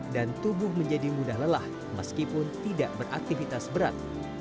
dan tubuh menjadi mudah lelah meskipun tidak beraktivitas berat